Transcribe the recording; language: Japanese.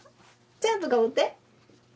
ちゃんとかぶって。